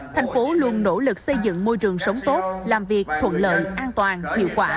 tp hcm luôn nỗ lực xây dựng môi trường sống tốt làm việc thuận lợi an toàn hiệu quả